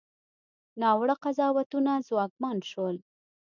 ناوړه قضاوتونه ځواکمن شول.